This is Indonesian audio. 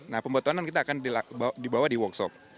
nah pembotonan kita akan dibawa di workshop